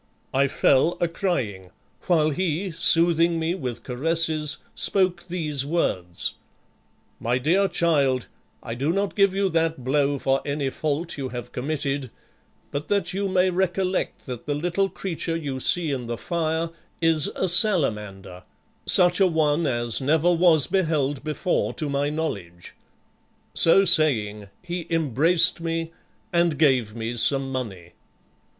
I fell a crying, while he, soothing me with caresses, spoke these words: 'My dear child, I do not give you that blow for any fault you have committed, but that you may recollect that the little creature you see in the fire is a salamander; such a one as never was beheld before to my knowledge.' So saying he embraced me, and gave me some money."